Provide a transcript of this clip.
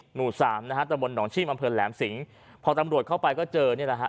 หมู่สามนะฮะตะบนหนองชีพอำเภอแหลมสิงพอตำรวจเข้าไปก็เจอนี่แหละฮะ